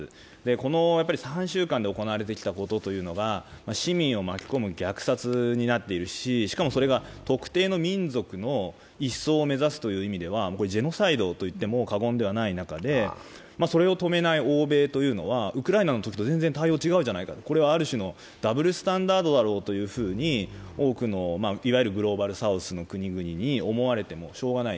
この３週間で行われてきたことは市民を巻き込む虐殺になっていますししかもそれが特定の民族の一掃を目指すという意味ではこれ、ジェノサイドといっても過言ではない中で、それを止めない欧米というのは、ウクライナのときと全然対応違うじゃないかとこれはある種のダブルスタンダードだろうと、多くのいわゆるグローバルサウスの国に思われてもしようがない。